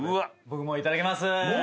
僕もいただきます。